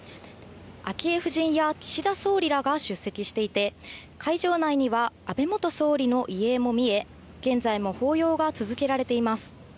昭恵夫人や岸田総理らが出席していて、会場内には安倍元総理の遺影も見え、現在も法要が続けられています。